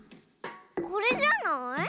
これじゃない？